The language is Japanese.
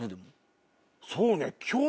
そうね。